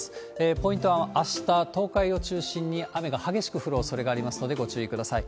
ポイントは、あした東海を中心に雨が激しく降るおそれがありますので、ご注意ください。